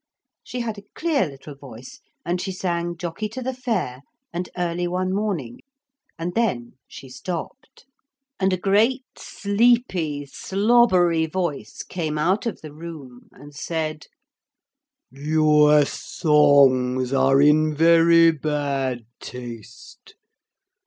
She had a clear little voice and she sang 'Jockey to the Fair,' and 'Early one morning,' and then she stopped. And a great sleepy slobbery voice came out from the room and said: 'Your songs are in very bad taste.